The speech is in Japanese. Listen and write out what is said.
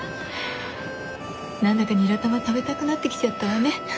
何だかニラ玉食べたくなってきちゃったわね。